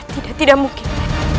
tidak tidak mungkin